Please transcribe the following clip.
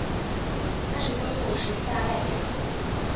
他是中共十七大代表。